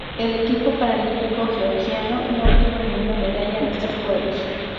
El equipo paralímpico georgiano no obtuvo ninguna medalla en estos Juegos.